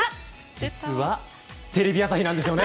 実はテレビ朝日なんですよね。